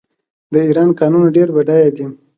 د ایران کانونه ډیر بډایه دي.